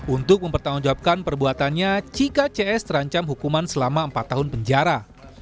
untuk mempertanggungjawabkan perbuatannya jika cs terancam hukuman selama empat tahun penjara